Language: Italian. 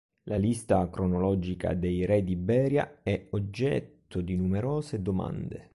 La lista cronologica dei re d'Iberia è oggetto di numerose domande.